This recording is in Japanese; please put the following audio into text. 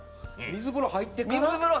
水風呂入ってから。